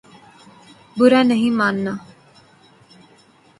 برا نہیں ماننا